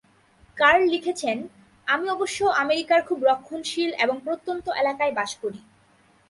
Curl লিখেছেন, আমি অবশ্য আমেরিকার খুব রক্ষণশীল এবং প্রত্যন্ত এলাকায় বাস করি।